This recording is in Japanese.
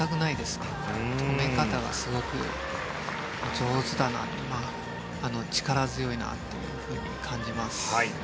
止め方がすごく上手だなと力強いなというふうに感じます。